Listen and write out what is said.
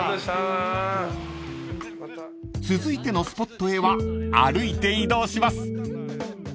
［続いてのスポットへは歩いて移動します］